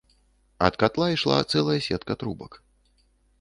Ад катла ішла цэлая сетка трубак.